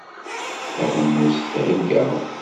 Taɣenust thegga.